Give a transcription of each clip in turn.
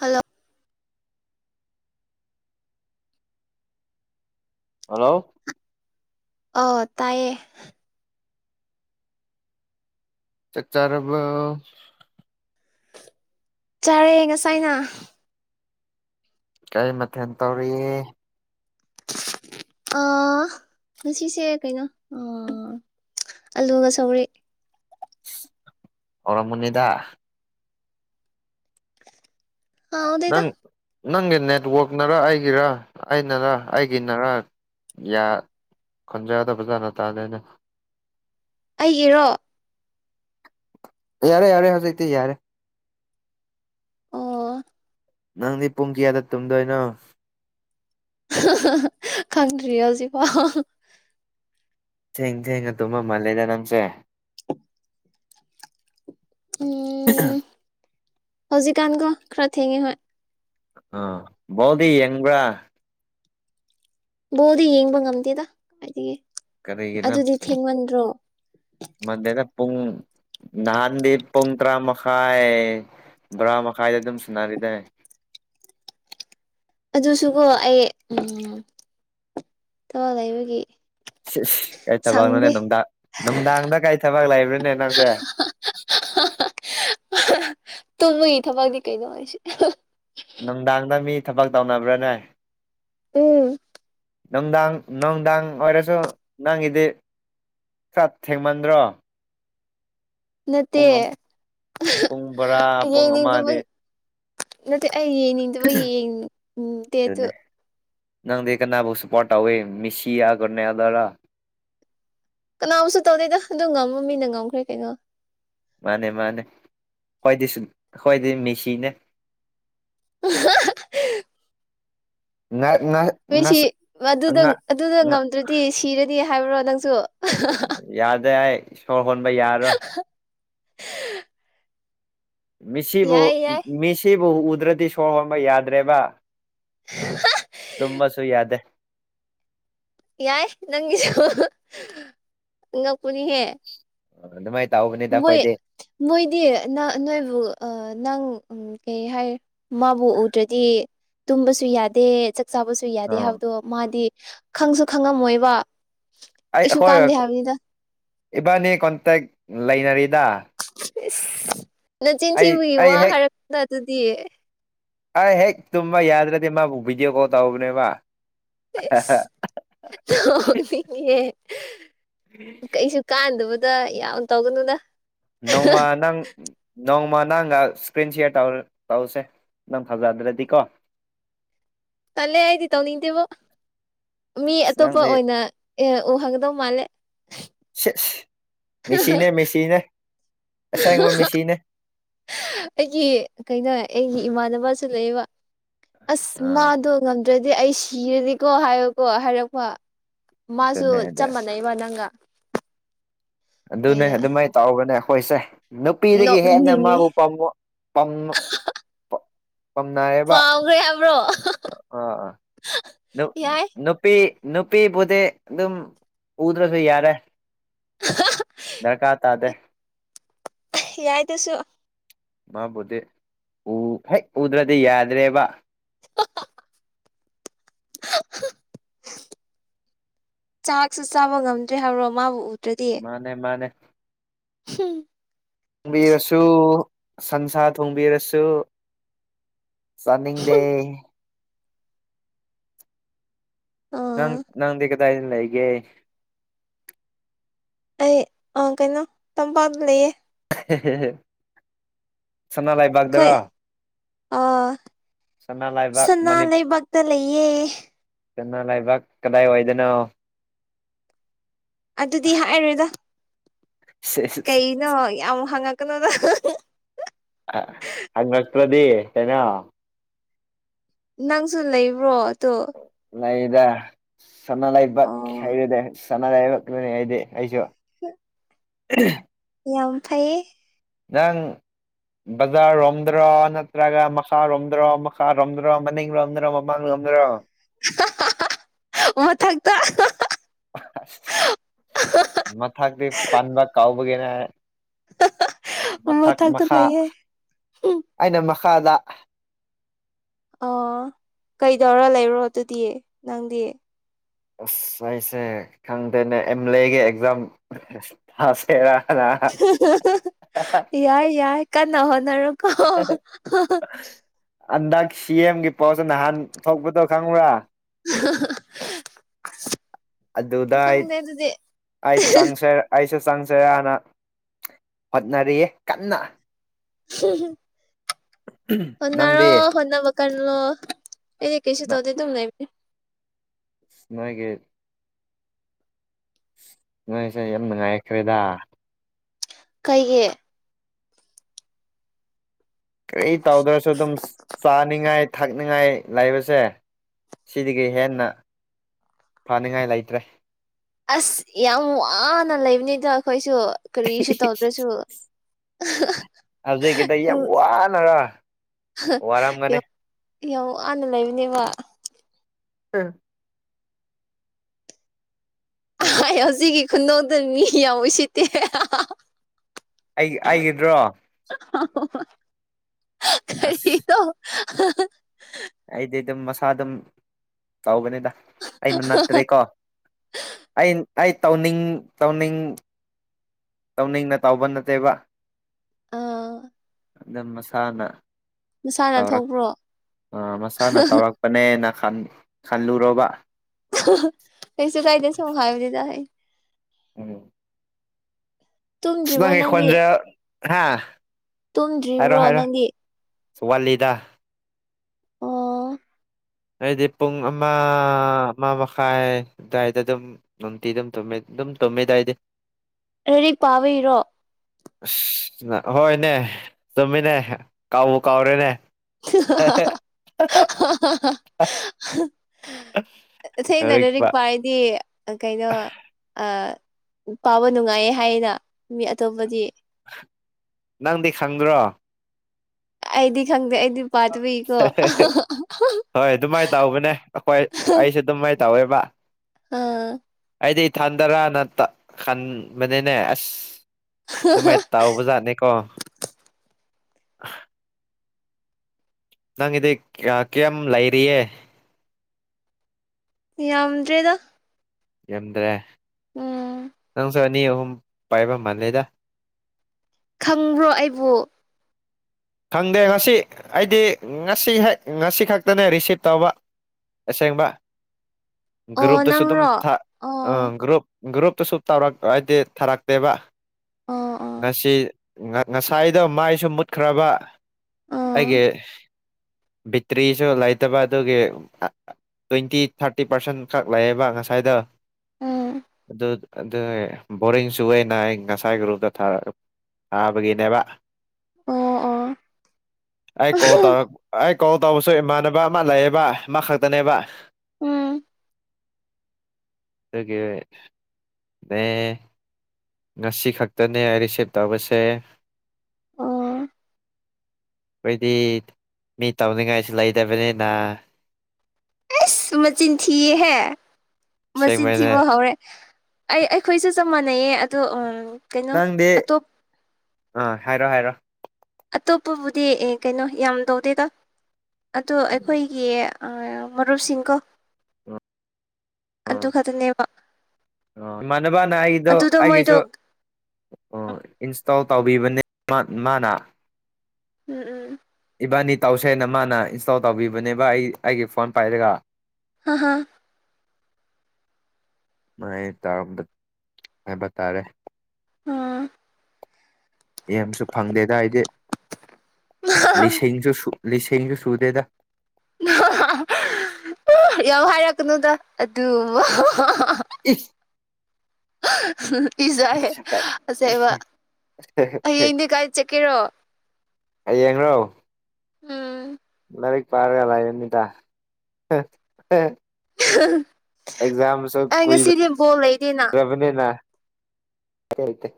hello hello ꯑ ꯇꯥꯢꯌꯦ ꯆꯛꯆꯥꯔꯕꯣ ꯆꯥꯔꯦ ꯉꯁꯥꯏꯅ ꯀꯩ ꯃꯊꯦꯜ ꯇꯧꯔꯤ ꯑ ꯉꯁꯤꯁꯦ ꯀꯩꯅꯣ ꯑꯥ ꯑꯂꯨꯒ ꯁꯧꯒꯔ꯭ꯤ ꯍꯥꯎꯔꯝꯒꯅꯤꯗ ꯍꯥꯎꯗꯦꯗ ꯅꯪ ꯅꯪꯒꯤ ꯅꯦꯠꯋꯥꯛꯅꯔ ꯑꯩꯒꯤꯔ ꯑꯩꯅꯔ ꯑꯩꯒꯤꯅꯔ ꯌꯥ ꯈꯣꯟꯖꯥꯗꯣ ꯐꯕꯖꯥꯅ ꯇꯥꯗꯦꯅꯦ ꯑꯩꯒꯤꯔꯣ ꯌꯥꯔꯦ ꯌꯥꯔꯦ ꯍꯧꯖꯤꯛꯇꯤ ꯌꯥꯔꯦ ꯑꯣ ꯅꯪꯗꯤ ꯄꯨꯡ ꯀꯌꯥꯗ ꯇꯨꯝꯗꯣꯏꯅꯣ ꯈꯥꯟꯗ꯭꯭ꯔꯤꯌꯦ ꯍꯧꯖꯤꯛꯐꯥꯎ ꯊꯦꯡ ꯊꯦꯡꯅ ꯇꯨꯝꯕ ꯃꯜꯂꯦꯗ ꯅꯪꯁꯦ ꯀ ꯍꯧꯖꯤꯛꯀꯥꯟꯒꯣ ꯈꯔ ꯊꯦꯡꯉꯦ ꯍꯣꯏ ꯑ ꯕꯣꯜꯗꯤ ꯌꯦꯡꯕ꯭ꯔ ꯕꯣꯔꯗꯤ ꯌꯦꯡꯕ ꯉꯝꯗꯦꯗ ꯍꯥꯏ ꯀꯔꯤꯒꯤꯅꯣ ꯑꯗꯨꯗꯤ ꯊꯦꯡꯃꯟꯗ꯭ꯔꯣ ꯃꯟꯗꯦꯗ ꯄꯨꯡ ꯅꯍꯥꯟꯗꯤ ꯄꯨꯡ ꯇꯔꯥ ꯃꯈꯥꯏ ꯕꯣꯔꯥ ꯃꯈꯥꯏꯗ ꯑꯗꯨꯝ ꯁꯨꯅꯔꯤꯗꯅꯦ ꯑꯗꯨꯁꯨꯀꯣ ꯑꯩ ꯎꯝ ꯊꯋꯥ ꯂꯩꯕꯒꯤ ꯀꯔꯤ ꯊꯕꯛꯅꯣꯅꯦ ꯁꯪꯗꯦ ꯅꯨꯡꯗꯥꯡ ꯅꯨꯡꯗꯥꯡꯗ ꯀꯔꯤ ꯊꯕꯛ ꯂꯩꯕ꯭ꯔꯅꯦ ꯅꯪꯁꯦ ꯇꯨꯝꯕꯒꯤ ꯊꯕꯛꯗꯤ ꯀꯩꯅꯣ ꯍꯥꯏꯁꯦ ꯅꯨꯡꯗꯥꯡꯗ ꯃꯤ ꯊꯕꯛ ꯇꯧꯅꯕ꯭ꯔꯅꯦ ꯎꯝ ꯅꯨꯡꯗꯥꯡ ꯅꯨꯡꯗꯥꯡ ꯑꯣꯏꯔꯁꯨ ꯅꯪꯒꯤꯗꯤ ꯈꯔ ꯊꯦꯡꯃꯟꯗ꯭ꯔꯣ ꯅꯠꯇꯦ ꯄꯨꯡ ꯄꯨꯡ ꯕꯣꯔꯥ ꯄꯨꯡ ꯌꯦꯡꯅꯤꯡꯗꯕ ꯑꯃꯗꯤ ꯅꯠꯇꯦ ꯑꯩ ꯌꯦꯡꯅꯤꯡꯗꯕꯒꯤ ꯌꯦꯡꯅꯤꯡꯗꯦ ꯑꯗꯨ ꯑꯗꯨꯅꯦ ꯅꯪꯗꯤ ꯀꯅꯥꯕꯨ ꯁꯄꯣꯠ ꯇꯧꯋꯦ ꯃꯤꯁꯤ ꯌꯥꯒꯅꯦ ꯑꯗꯔ ꯀꯅꯥꯕꯨꯁꯨ ꯇꯧꯗꯦꯗ ꯑꯗꯨ ꯉꯝꯃ ꯃꯤꯅ ꯉꯝꯈ꯭ꯔꯦ ꯀꯩꯅꯣ ꯃꯥꯅꯦ ꯃꯥꯅꯦ ꯈꯣꯢꯗꯤꯁꯨ ꯈꯣꯏꯗꯤ ꯃꯦꯁꯤꯅꯦ ꯑ ꯅ ꯅ ꯃꯣꯏꯁꯤ ꯑꯗꯨꯗ ꯑꯗꯨꯗ ꯉꯝꯗ꯭ꯔꯗꯤ ꯁꯤꯔꯗꯤ ꯍꯥꯏꯕ꯭ꯔꯣ ꯅꯪꯁꯨ ꯌꯥꯗꯦ ꯍꯥꯏ ꯏꯁꯣꯔ ꯍꯣꯟꯕ ꯌꯥꯔꯣꯏ [unintelligible] ꯃꯤꯁꯤꯕꯨ ꯌꯥꯏ ꯌꯥꯏ ꯃꯤꯁꯤꯕꯨ ꯎꯗ꯭ꯔꯗꯤ ꯁꯣꯔ ꯍꯣꯟꯕ ꯌꯥꯗ꯭ꯔꯦꯕ ꯇꯃꯁꯨ ꯌꯥꯗꯦ ꯌꯥꯏ ꯅꯪꯒꯤꯁꯨ ꯉꯛꯄꯅꯤꯍꯦ ꯑꯗꯨꯃꯥꯏꯅ ꯇꯧꯕꯅꯤꯗ ꯃꯣꯏ ꯑꯩꯈꯣꯏꯗꯤ ꯃꯣꯏꯗꯤ ꯅꯪ ꯅꯣꯏꯕꯨ ꯅꯪ ꯎ ꯀꯩ ꯍꯥꯏ ꯃꯥꯕꯨ ꯎꯗ꯭ꯔꯗꯤ ꯇꯨꯝꯕꯁꯨ ꯌꯥꯗꯦ ꯆꯥꯕꯁꯨ ꯌꯥꯗꯦ ꯑꯥ ꯍꯥꯏꯕꯗꯣ ꯃꯥꯗꯤ ꯈꯪꯁꯨ ꯈꯪꯉꯝꯃꯣꯏꯕ ꯑꯩ ꯀꯩꯁꯨ ꯑꯈꯣꯏꯒ ꯀꯥꯟꯗꯦ ꯀꯣ ꯍꯥꯏꯕꯅꯤꯗ ꯏꯕꯥꯅꯤ ꯀꯣꯟꯇꯦꯛ ꯂꯩꯅꯔꯤꯗ ꯏꯁ ꯅꯆꯤꯟ ꯑꯩ ꯊꯤꯕꯒꯤ ꯑꯩ ꯋꯥ ꯍꯦꯛ ꯍꯥꯏꯔꯛ ꯗ ꯑꯗꯨꯗꯤ ꯑꯩ ꯍꯦꯛ ꯇꯨꯝꯕ ꯌꯥꯗ꯭ꯔꯗꯤ ꯃꯥꯕꯨ ꯕꯤꯗꯤꯌꫭ ꯀꯣꯜ ꯇꯧꯕꯅꯦꯕ ꯏꯁ ꯅꫭꯛꯅꯤꯡꯉꯦ ꯍꯍ ꯀꯩꯁꯨ ꯀꯥꯟꯗꯕꯗ ꯌꯥꯝ ꯇꯧꯒꯅꯨꯗ ꯅꫭꯡꯃ ꯅꯪ ꯅꯣꯡꯃ ꯅꯪꯒ ꯏꯁꯀ꯭ꯔꯤꯟ ꯁꯤꯌꯔ ꯇꯧ ꯇꯧꯁꯦ ꯅꯪ ꯐꯖꯗ꯭ꯔꯗꯤ ꯀꯣ ꯇꯜꯂꯦ ꯑꯩꯗꯤ ꯇꯧꯅꯤꯡꯗꯦꯕꯣ ꯃꯤ ꯑꯁ ꯑꯇꯣꯞꯄ ꯅꯪꯗꯤ ꯑꯣꯏꯅ ꯑꯦ ꯎꯍꯧꯒꯗꯧ ꯃꯥꯜꯂꯦ ꯆꯦꯁ ꯃꯦꯁꯤꯅꯦ ꯃꯦꯁꯤꯅꯦ ꯑꯁꯦꯡꯕ ꯃꯤꯁꯤꯅꯦ ꯍꯍ ꯑꯩꯒꯤ ꯀꯩꯅꯣ ꯑꯩꯒꯤ ꯏꯃꯥꯟꯅꯕꯁꯨ ꯂꯩꯌꯦꯕ ꯑꯁ ꯑꯥ ꯃꯥꯗꯣ ꯉꯝꯗ꯭ꯔꯗꯤ ꯑꯩ ꯁꯤꯔꯗꯤꯀꯣ ꯍꯥꯏꯕꯀꯣ ꯍꯥꯏꯔꯛꯄ ꯃꯥꯁꯨ ꯑꯗꯨꯅꯦ ꯑꯗꯨ ꯆꯞ ꯃꯥꯟ ꯂꯩꯕ ꯅꯪꯒ ꯑꯗꯨꯅꯦ ꯑꯩꯅ ꯑꯗꯨꯃꯥꯏꯅ ꯇꯧꯕꯅꯦ ꯑꯩꯈꯣꯏꯁꯦ ꯅꯨꯄꯤꯗꯒꯤ ꯍꯦꯟꯅ ꯅꯣꯛꯅꯤꯡꯉꯦ ꯃꯥꯕꯨ ꯄꯥꯝꯕ ꯄꯝꯃ ꯄꯥꯎꯈ꯭ꯔꯦ ꯍꯥꯏꯕ꯭ꯔꯣ ꯑꯥ ꯑꯥ ꯌꯥꯏ ꯅꯨꯄꯤ ꯅꯨꯄꯤꯕꯨꯗꯤ ꯑꯗꯨꯝ ꯎꯗ꯭ꯔꯁꯨ ꯌꯥꯔꯦ ꯗꯔꯀꯥ ꯇꯥꯗꯦ ꯍ ꯌꯥꯏꯗꯨꯁꯨ ꯃꯥꯕꯨꯗꯤ ꯎ ꯍꯦꯛ ꯎꯗ꯭ꯔꯗꯤ ꯌꯥꯗ꯭ꯔꯦꯕ ꯍꯥ ꯍ ꯆꯥꯛꯁꯨ ꯆꯥꯕ ꯉꯝꯗ꯭ꯔꯦ ꯍꯥꯏꯕ꯭ꯔꯣ ꯃꯥꯕꯨ ꯎ ꯇ꯭ꯔꯗꯤ ꯅꯦ ꯃꯥꯅꯦ ꯍꯝ ꯊꯣꯡꯕꯤꯔꯁꯨ ꯁꯟꯁꯥ ꯊꯣꯡꯕꯤꯔꯁꯨ ꯆꯥꯅꯤꯡꯗꯦ ꯅꯪ ꯑꯥ ꯅꯪꯗꯤ ꯀꯗꯥꯏꯗ ꯂꯩꯒꯦ ꯑꯩ ꯑꯪ ꯀꯩꯅꯣ ꯇꯝꯄꯥꯛꯇ ꯂꯩꯌꯦ ꯍꯦ ꯍꯦ ꯍꯦ ꯁꯥꯟꯅ ꯂꯥꯏ ꯀꯩ ꯑ ꯁꯅꯥ ꯂꯩꯕꯥꯛ ꯁꯅꯥ ꯃꯅꯤ ꯂꯩꯕꯥꯛꯇ ꯂꯩꯌꯦ ꯁꯅꯥ ꯂꯩꯕꯥꯛ ꯀꯗꯥꯏ ꯋꯥꯏꯗꯅꯣ ꯑꯗꯨꯗꯤ ꯍꯥꯏꯔꯦꯗ ꯀꯩꯅꯣ ꯌꯥꯝ ꯍꯪꯉꯛꯀꯅꯨꯗ ꯍ ꯍ ꯍꯪꯉꯛꯇ꯭ꯔꯗꯤ ꯀꯩꯅꯣ ꯅꯪꯁꯨ ꯂꯩꯕ꯭ꯔꯣ ꯑꯗꯨ ꯂꯩꯗꯥ ꯁꯅꯥ ꯂꯩꯕꯥꯛ ꯑꯣ ꯈꯥꯏꯔꯗꯤ‌ ꯁꯅꯥ ꯂꯩꯕꯥꯛ ꯇꯅꯦ ꯑꯩꯗꯤ ꯑꯩꯁꯨ ꯂꯧꯁꯤꯟꯕ ꯉꯝꯗꯕ ꯂꯧꯁꯤꯟꯕ ꯉꯝꯗꯕ ꯌꯥꯝ ꯐꯩꯌꯦ ꯅꯪ ꯕꯖꯥꯔꯔꯣꯝꯗ꯭ꯔꯣ ꯅꯠꯇ꯭ꯔꯒ ꯃꯈꯥꯔꯣꯝꯗ꯭ꯔꯣ ꯃꯈꯥꯔꯣꯝꯗ꯭ꯔꯣ ꯃꯅꯤꯡꯔꯣꯝꯗ꯭ꯔꯣ ꯃ ꯃꯥꯡ ꯂꫭꯝꯗꯔꫭ ꯍꯥ ꯍꯥ ꯍꯥ ꯍꯍ ꯃꯊꯛꯇ ꯑꯍ ꯑꯍ ꯁꯁ ꯃꯊꯛꯇꯤ ꯄꯟꯕ ꯀꯥꯎꯕꯒꯤꯅꯦ ꯃꯊꯛ ꯃꯊꯛꯇ ꯃꯈꯥ ꯂꯩꯌꯦ ꯑꯩꯅ ꯃꯈꯥꯗ ꯑꯣ ꯀꯩꯗꯧꯔ ꯂꯩꯔꯣ ꯑꯗꯨꯗꯤ ꯅꯪꯗꯤ ꯑꯁ ꯑꯩꯁꯦ ꯈꯪꯗꯦꯅꯦ ꯑꯦꯝ ꯂꯦꯒꯤ ꯑꯦꯛꯖꯥꯝ ꯊꯥꯁꯤꯔꯥ ꯍꯨꯡ ꯍꯥ ꯍꯥ ꯍꯥ ꯍꯍ ꯌꯥꯏ ꯌꯥꯏ ꯀꯟꯅ ꯍꯣꯠꯅꯔꫭꯀꫭ ꯍ ꯍ ꯍꯟꯗꯛ ꯁꯤ ꯑꯦꯝꯒꯤ ꯄꯣꯁ ꯅꯍꯥꯟ ꯊꯣꯛꯄꯗꯣ ꯈꯪꯕ꯭ꯔꯥ ꯑꯗꯨꯗ ꯑꯩ ꯈꯪꯗꯦ ꯑꯗꯨꯗꯤ ꯑꯩ ꯆꯪꯁꯤꯔ ꯑꯩꯁꯨ ꯆꯪꯁꯤꯔꯥꯅ ꯍꯣꯠꯅꯔꯤꯌꯦ ꯀꯟꯅ ꯍꯨꯡ ꯍꯨꯝ ꯍꯣꯠꯅꯔꯣ ꯅꯪꯗꯤ ꯍꯣꯠꯅꯕ ꯀꯜꯂꯣ ꯑꯩꯗꯤ ꯀꯩꯁꯨ ꯇꯧꯗꯦ ꯑꯗꯨꯝ ꯂꯩꯕꯅꯤ ꯅꯣꯏꯒꯤ ꯅꯣꯏꯁꯦ ꯌꯥꯝ ꯅꯨꯡꯉꯥꯏꯈ꯭ꯔꯦꯗ ꯀꯩꯒꯤ ꯀꯔꯤ ꯇꯧꯗ꯭ꯔꯁꯨ ꯑꯗꯨꯝ ꯆꯥꯅꯤꯡꯉꯥꯏ ꯊꯛꯅꯤꯡꯉꯥꯏ ꯂꯩꯕꯁꯦ ꯁꯤꯗꯒꯤ ꯍꯦꯟꯅ ꯐꯅꯤꯡꯉꯥꯏ ꯂꯩꯇ꯭ꯔꯦ ꯑꯁ ꯌꯥꯝ ꯋꯥꯅ ꯂꯩꯕꯅꯤꯗ ꯑꯩꯈꯣꯏꯁꯨ ꯀꯔꯤꯁꯨ ꯇꯧꯗ꯭ꯔꯁꯨ ꯄꯥꯅꯔꯥ ꯍꯍ ꯌꯥꯝ ꯋꯥꯅ ꯂꯩꯕꯅꯦꯕ ꯑꯝ ꯑꯩ ꯍꯧꯖꯤꯛꯀꯤ ꯈꯨꯅꫭꯛꯇꯨ ꯃꯤ ꯌꯥꯝ ꯎꯠꯁꯤꯠꯇꯦ ꯍꯦ ꯍꯥ ꯍꯥ ꯍꯥ ꯑꯩ ꯑꯩꯒꯤꯗ꯭ꯔꯣ ꯍꯥ ꯍꯥ ꯍꯥ ꯑꯁ ꯍ ꯍꯥ ꯍꯥ ꯑꯩꯗꯤ ꯑꯗꯨꯝ ꯃꯁꯥꯗꯨꯝ ꯇꯧꯕꯅꯤꯗ ꯑꯩꯅ ꯅꯠꯇ꯭ꯔꯦꯀꯣ ꯑꯩ ꯑꯩ ꯇꯧꯅꯤꯡ ꯇꯧꯅꯤꯡ ꯇꯧꯅꯤꯡꯅ ꯇꯧꯕ ꯅꯠꯇꯦꯕ ꯑꯥ ꯑꯗꯨꯝ ꯃꯁꯥꯅ ꯃꯁꯥꯅ ꯇꯧꯔꯛ ꯊꯣꯛꯄ꯭ꯔꯣ ꯑ ꯃꯁꯥꯅ ꯇꯧꯔꯛ ꯄꯥꯅꯦꯅ ꯈꯟ ꯈꯜꯂꯨꯔꯣꯕ ꯀꯩꯁꯨ ꯀꯥꯏꯗꯦ ꯁꯨꯝ ꯍꯥꯏꯕꯅꯤꯗ ꯑꯩ ꯑꯣ ꯇꯨꯝꯗ꯭ꯔꯤꯕ꯭ꯔꯣ [unintelligible] ꯅꯪꯗꯤ ꯈꯣꯟꯖꯦꯜ ꯍꯥ ꯇꯨꯝꯗ꯭ꯔꯤꯕ꯭ꯔꯣ ꯅꯪꯗꯤ ꯑꯁ ꯋꯥꯠꯂꯤꯗ ꯑꯣ ꯍꯥꯏꯗꯤ ꯄꯨꯡ ꯑꯃ ꯑꯃ ꯃꯈꯥꯏ ꯑꯗꯨꯋꯥꯏꯗ ꯑꯗꯨꯝ ꯅꯨꯡꯇꯤꯒꯤ ꯑꯗꯨꯝ ꯇꯨꯝꯃꯤ ꯑꯗꯨꯝ ꯇꯨꯝꯃꯤꯗꯥ ꯑꯩꯗꯤ ꯂꯥꯏꯔꯤꯛ ꯄꯥꯕꯩꯔꯣ ꯑꯁ ꯍꯣꯏꯅꯦ ꯆꯨꯝꯃꯤꯅꯦ ꯀꯥꯎꯕꯨ ꯀꯥꯎꯔꯦꯅꯦ ꯍꯥ ꯍꯥ ꯍꯥ ꯍꯥ [inaudible] ꯊꯦꯡꯅ ꯂꯥꯏꯔꯤꯛ ꯄꯥꯏꯌꯦꯗꯤ ꯀꯩꯅꯣ ꯑ ꯄꯥꯕ ꯅꯨꯡꯉꯥꯏꯌꯦ ꯍꯥꯏꯅꯥ ꯃꯤ ꯑꯇꯣꯞꯄꯗꯤ ꯅꯪꯗꯤ ꯈꯪꯗ꯭ꯔꯣ ꯑꯩꯗꯤ ꯈꯪꯗꯦ ꯑꯩꯗꯤ ꯄꯥꯗꯕꯒꯤꯀꯣ ꯍꯣꯏ ꯑꯗꯨꯃꯥꯏꯅ ꯇꯧꯕꯅꯦ ꯑꯩꯈꯣꯏ ꯑꯩꯁꯨ ꯑꯗꯨꯃꯥꯏꯅ ꯇꯧꯋꯦꯕ ꯑꯥ ꯑꯩꯗꯤ ꯏꯊꯟꯗꯔꯥꯅ ꯈꯟꯕꯅꯤꯅꯦ ꯑꯁ ꯑꯗꯨꯃꯥꯏ ꯇꯧꯕ ꯖꯥꯠꯅꯤ ꯀꯣ ꯅꯪꯒꯤꯗꯤ ꯀꯌꯥꯝ ꯂꯩꯔꯤꯌꯦ ꯌꯥꯝꯗ꯭ꯔꯦꯗ ꯌꯥꯝꯗ꯭ꯔꯦ ꯎꯝ ꯅꯪꯁꯨ ꯑꯅꯤ ꯑꯍꯨꯝ ꯄꯥꯏꯕ ꯃꯥꯜꯂꯦꯗ ꯈꯪꯕ꯭ꯔꯣ ꯑꯩꯕꯨ ꯈꯪꯗꯦ ꯉꯁꯤ ꯑꯩꯗꯤ ꯉꯁꯤ ꯍꯦꯛ ꯉꯁꯤ ꯈꯛꯇꯅꯦ ꯔꯤꯁꯤꯞ ꯇꯧꯕ ꯑꯁꯦꯡꯕ ꯑꯣ ꯒ꯭ꯔꯨꯞꯇꯁꯨ ꯑꯗꯨꯝ ꯅꯪꯔꯣ ꯊꯥ ꯑꯣ ꯑ ꯒ꯭ꯔꯨꯞ ꯒ꯭ꯔꯨꯞꯇꯁꯨ ꯇꯧꯔꯛ ꯍꯥꯏꯗꯤ ꯊꯥꯔꯝꯃꯦꯕ ꯑꯣ ꯑꯣ ꯉꯁꯤ ꯉ ꯉꯁꯥꯏꯗꯣ ꯃꯥꯏꯁꯨ ꯃꯨꯠꯈ꯭ꯔꯕ ꯑꯣ ꯑꯩꯒꯤ ꯕꯤꯇꯔꯤꯁꯨ ꯂꯩꯇꯕ ꯑꯗꯨꯒꯤ ꯇ꯭ꯋꯦꯟꯇꯤ ꯊꯥꯔꯇꯤ ꯄꯥꯔꯁꯦꯟ ꯈꯛ ꯂꯩꯑꯦꯕ ꯉꯁꯥꯏꯗ ꯎꯝ ꯑꯗꯨ ꯑꯗꯨ ꯕꯣꯔꯤꯡꯁꯨꯩꯅ ꯑꯩ ꯉꯁꯥꯏ ꯒ꯭ꯔꯨꯞꯗ ꯊꯥꯕꯒꯤꯅꯦꯕ ꯑꯣ ꯑꯣ ꯑꯩ ꯀꯣꯜ ꯇꯧꯔꯛ ꯑꯩ ꯀꯣꯜ ꯇꯧꯕꯁꯨ ꯏꯃꯥꯟꯅꯕ ꯑꯃ ꯂꯩꯌꯦꯕ ꯑꯃ ꯈꯛꯇꯅꯦꯕ ꯎꯝ ꯗꯨꯒꯤ ꯅ ꯉꯁꯤ ꯈꯛꯇꯅꯦ ꯑꯩ ꯔꯤꯁꯤꯞ ꯇꯧꯕꯁꯦ ꯑꯣ ꯑꯩꯈꯣꯏꯗꯤ ꯃꯤ ꯇꯧꯅꯤꯡꯉꯥꯏꯁꯨ ꯂꯩꯇꯕꯅꯤꯅ ꯑꯦꯁ ꯃꯆꯤꯟ ꯊꯤꯌꯦꯍꯦ ꯃꯆꯤꯟ ꯑꯁꯦꯡꯕꯅꯦ ꯊꯤꯕ ꯍꯧꯔꯦ ꯑꯩ ꯑꯩꯈꯣꯏꯁꯨ ꯆꯞ ꯃꯥꯟꯅꯩꯌꯦ ꯑꯗꯣ ꯑꯣ ꯅꯪꯗꯤ ꯑꯥ ꯍꯥꯏꯔꯣ ꯍꯥꯏꯔꯣ ꯑꯇꯣꯞꯄꯕꯨꯗꯤ ꯑꯦ ꯀꯩꯅꯣ ꯌꯥꯝ ꯇꯧꯗꯦꯗ ꯑꯗꯣ ꯑꯩꯈꯣꯏꯒꯤ ꯃꯔꯨꯞꯁꯤꯡꯀꯣ ꯑꯗꯨ ꯈꯛꯇꯅꯦꯕ ꯏꯃꯥꯟꯅꯕꯅꯥ ꯑꯩꯗꯣ ꯑꯗꯨꯗꯣ ꯃꯣꯏꯗꯣ ꯑꯩꯒꯤꯁꯨ ꯑꯣ ꯏꯟꯁꯇꯣꯜ ꯇꯧꯕꯤꯕꯅꯦ ꯃꯥ ꯃꯥꯅ ꯎꯝ ꯎꯝ ꯏꯕꯥꯟꯅꯤ ꯇꯧꯁꯦꯅ ꯃꯥꯅ ꯏꯟꯁꯇꯣꯜ ꯇꯧꯕꯤꯕꯅꯦꯕ ꯑꯩ ꯑꯩꯒꯤ ꯐꯣꯟ ꯄꯥꯏꯔꯒ ꯍ ꯍꯥ ꯃꯥꯏ ꯇꯥꯔꯝꯕꯥ ꯍꯥꯏꯕ ꯇꯥꯔꯦ ꯑꯍ ꯌꯥꯝꯁꯨ ꯐꯪꯗꯦꯗ ꯑꯩꯗꯤ ꯂꯤꯁꯤꯡꯁꯨ ꯂꯤꯁꯤꯡꯁꯨ ꯁꯨꯗꯦꯗ ꯌꯥꯝ ꯍꯥꯏꯔꯛꯀꯅꯨꯗ ꯑꯗꯨꯒꯨꯝꯕ ꯏꯁ ꯑꯍꯍ ꯏꯖꯩꯌꯦ ꯏꯁ ꯀꯥꯏ ꯑꯁꯦꯡꯕ ꯍꯌꯦꯡꯗꯤ ꯀꯥꯏ ꯆꯠꯀꯦꯔꯣ ꯍꯌꯦꯡꯔꯣ ꯎꯝ ꯂꯥꯏꯔꯤꯛ ꯄꯥꯔꯒꯂ ꯂꯩꯔꯝꯃꯤꯗ ꯑꯩ ꯉꯁꯤꯗꯤ ꯕꯣꯜ ꯂꯩꯗꯦꯅ ꯕꯅꯤꯅ ꯇꯦ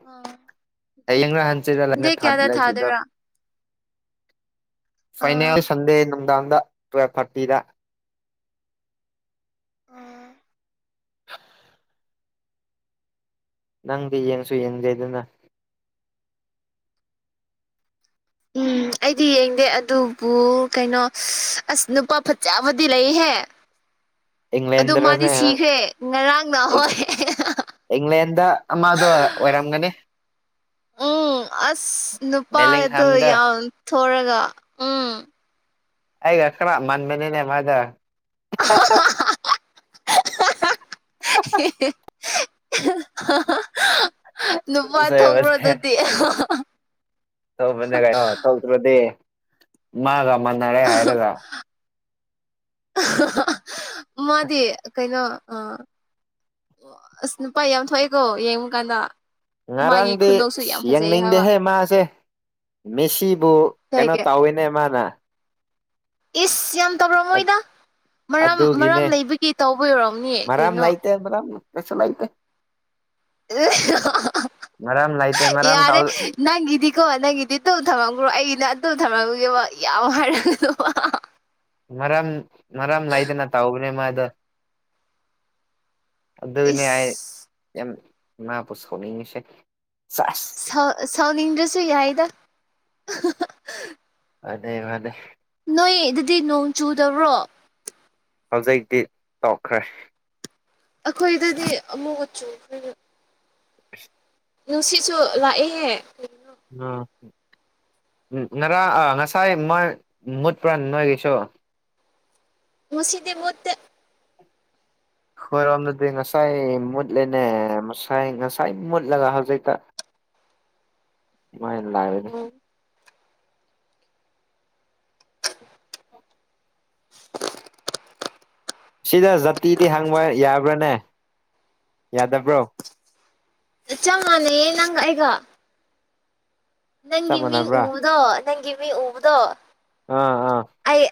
ꯍꯌꯦꯡꯅ ꯍꯟꯁꯤꯔ ꯂꯅꯦ ꯗꯦꯠ ꯊꯔꯠ ꯀꯌꯥꯗ ꯂꯥꯏꯐꯁꯤꯗ ꯊꯥꯗꯣꯏꯔꯥ ꯑꯥ ꯐꯥꯏꯅꯦꯜ ꯁꯟꯗꯦ ꯅꯨꯡꯗꯥꯡꯗ ꯇꯨꯋꯦꯜꯐ ꯊꯥꯔꯇꯤꯗ ꯎꯝ ꯅꯪꯗꯤ ꯌꯦꯡꯁꯨ ꯌꯦꯡꯗꯦ ꯑꯗꯨꯅ ꯎꯝ ꯑꯩꯗꯤ ꯌꯦꯡꯗꯦ ꯑꯗꯨꯕꯨ ꯀꯩꯅꯣ ꯁ ꯑꯁ ꯅꯨꯄꯥ ꯐꯖꯕꯗꯤ ꯂꯩꯍꯦ ꯑꯗꯨ ꯃꯥꯗꯤ ꯏꯪꯂꯦꯟꯗꯔꯅꯦ ꯅꯪ ꯁꯤꯈ꯭ꯔꯦ ꯉꯔꯥꯡꯅ ꯍꯣꯏ ꯏꯪꯂꯦꯟꯗ ꯑꯃꯗꯣ ꯑꯣꯏꯔꯝꯒꯅꯤ ꯎꯝ ꯑꯁ ꯅꯨꯄꯥꯗꯣ ꯕꯦꯂꯤꯡꯍꯝꯗ ꯌꯥꯝ ꯊꯣꯔꯒ ꯎꯝ ꯑꯩꯒ ꯈꯔ ꯃꯥꯟꯕꯅꯤꯅꯦ ꯃꯥꯗꯣ [inaudible] ꯅꯨꯄꯥ ꯁꯦ ꯊꯣꯛꯕ꯭ꯔ ꯑꯗꯨꯗꯤ ꯇꯧꯕꯅꯦ ꯇꯧꯗ꯭ꯔꯗꯤ ꯃꯥꯒ ꯃꯥꯟꯅꯔꯦ ꯍꯥꯏꯔꯒ ꯃꯥꯗꯤ ꯀꯩꯅꯣ ꯑ ꯑꯣ ꯑꯁ ꯅꯨꯄꯥ ꯌꯥꯝ ꯊꯣꯛꯑꯦꯀꯣ ꯌꯦꯡꯉꯨ ꯀꯥꯟꯗ ꯃꯥꯒꯤ ꯉꯔꯥꯡꯗꯤ ꯈꯨꯅꯣꯛꯁꯨ ꯌꯥꯝ ꯐꯖꯩ ꯍꯥꯏꯕ ꯌꯦꯡꯅꯤꯡꯗꯦꯍꯦ ꯃꯥꯁꯦ ꯃꯤꯦꯁꯤꯕꯨ ꯀꯩꯅꯣ ꯀꯩꯒꯤ ꯇꯧꯋꯤꯅꯦ ꯅꯦ ꯃꯥꯅ ꯏꯁ ꯌꯥꯝ ꯇꯧꯔꯝꯃꯣꯏꯗ ꯃꯔꯥ ꯃꯔꯥꯝ ꯑꯗꯨꯒꯤꯅꯦ ꯂꯩꯕꯒꯤ ꯇꯧꯕ ꯌꯧꯔꯝꯅꯤ ꯀꯩꯅꯣ [unintelligible] ꯃꯔꯝ ꯂꯩꯇꯦ ꯃꯔꯝ ꯌꯥꯔꯦ ꯇꯧ ꯅꯪꯒꯤꯗꯤꯀꯣ ꯅꯪꯒꯤꯗꯤ ꯇꯧ ꯊꯝꯂꯝꯈ꯭ꯔꯣ ꯑꯩꯒꯤꯅ ꯑꯗꯨ ꯊꯝꯔꯝꯒꯦꯕ ꯌꯥꯝ ꯍꯥꯏꯔꯒꯅꯨꯕ ꯃꯔꯝ ꯃꯔꯝ ꯂꯩꯗꯅ ꯇꯥꯎꯕꯅꯦ ꯃꯥꯗꯣ ꯑꯗꯨꯅꯦ ꯑꯩ ꯏꯁ ꯌꯥꯝ ꯃꯥꯕꯨ ꯁꯥꯎꯅꯤꯡꯉꯤꯁꯤ ꯁꯦꯁ ꯁ ꯁꯥꯎꯅꯤꯡꯗꯔꯥꯁꯨ ꯌꯥꯏꯗ ꯋꯥꯗꯦ ꯋꯥꯗꯦ ꯅꯣꯏ ꯑꯗꯨꯗꯤ ꯅꯣꯡ ꯆꯨꯗꯕ꯭ꯔꯣ ꯍꯧꯖꯤꯛꯇꯤ ꯇꯧꯈ꯭ꯔꯦ ꯑꯩꯈꯣꯏꯗꯨꯗꯤ ꯑꯃꯨꯕ ꯆꯨꯈꯔꯦꯗ ꯑꯍꯝ ꯅꯨꯡꯁꯤꯠꯁꯨ ꯂꯥꯛꯑꯦꯍꯦ ꯎꯝ ꯎ ꯉꯔꯥꯡ ꯑ ꯉꯁꯥꯏ ꯃꯣꯏ ꯃꯨꯠꯄ꯭ꯔ ꯅꯣꯏꯒꯤꯁꯨ ꯉꯁꯤꯗꯤ ꯃꯨꯠꯇꯦ ꯈꯣꯏꯔꯣꯝꯗꯗꯤ ꯉꯁꯥꯏ ꯃꯨꯠꯂꯦꯅꯦ ꯉꯁꯥꯏ ꯉꯁꯥꯏ ꯃꯨꯠꯂꯒ ꯍꯧꯖꯤꯛꯇ ꯃꯥꯏ ꯂꯥꯏꯅꯤ ꯁꯤꯗ ꯖꯥꯇꯤꯗꯤ ꯍꯪꯕ ꯌꯥꯕ꯭ꯔꯅꯦ ꯌꯥꯗꯕ꯭ꯔꯣ ꯆꯪ ꯃꯥꯅꯩꯌꯦ ꯅꯪꯒ ꯑꯩꯒ ꯆꯞ ꯅꯪꯒꯤ ꯃꯤꯡ ꯃꯥꯟꯅꯕ꯭ꯔꯥ ꯎꯕꯗꯣ ꯅꯪꯒꯤ ꯃꯤ ꯎꯕꯗꯣ ꯑꯥ ꯑꯥ ꯑꯩ ꯑꯩ